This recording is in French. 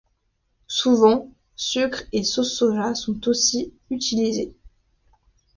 Souvent, sucre et sauce soja sont aussi utilisés.